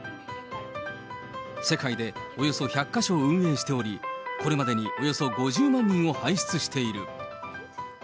世界でおよそ１００か所運営しており、これまでにおよそ５０万人を輩出している。